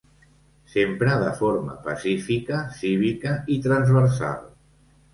Sempre de forma pacífica, cívica i transversal.